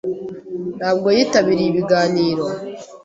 Ntabwo yitabiriye ibiganiro.